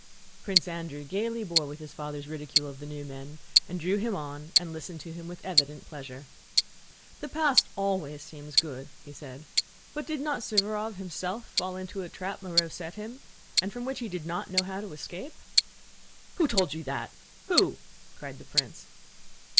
Prince Andrew gaily bore with his father's ridicule of the new men, and drew him on and listened to him with evident pleasure. "The past always seems good," said he, "but did not Suvórov himself fall into a trap Moreau set him, and from which he did not know how to escape?" "Who told you that? Who?" cried the prince.